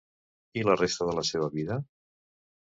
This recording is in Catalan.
I la resta de la seva vida?